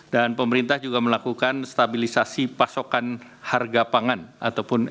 dan pemerintah juga melakukan stabilisasi pasokan harga pangan ataupun sphp